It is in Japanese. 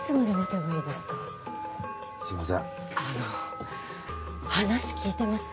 あの話聞いてます？